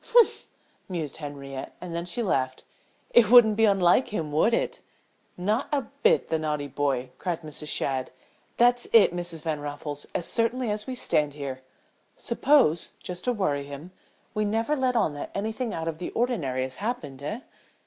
"H'm!" mused Henriette, and then she laughed. "It wouldn't be unlike him, would it?" "Not a bit, the naughty boy!" cried Mrs. Shadd. "That's it, Mrs. Van Raffles, as certainly as we stand here. Suppose, just to worry him, we never let on that anything out of the ordinary has happened, eh?"